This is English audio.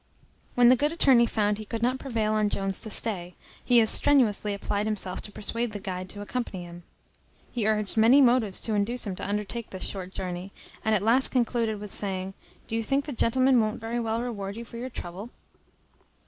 When the good attorney found he could not prevail on Jones to stay, he as strenuously applied himself to persuade the guide to accompany him. He urged many motives to induce him to undertake this short journey, and at last concluded with saying, "Do you think the gentleman won't very well reward you for your trouble?"